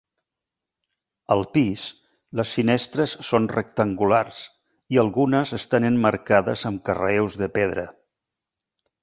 Al pis, les finestres són rectangulars i algunes estan emmarcades amb carreus de pedra.